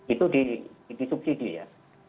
itu di subjigil ya